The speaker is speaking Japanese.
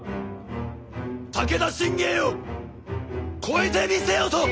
武田信玄を超えてみせよと！